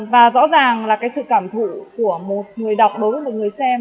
và rõ ràng là cái sự cảm thụ của một người đọc đối với một người xem